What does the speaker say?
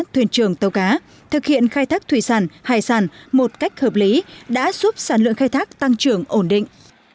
thuyền trưởng tàu cá thực hiện khai thác thủy sản hải sản một cách hợp lý đã giúp sản lượng khai thác tăng trưởng ổn định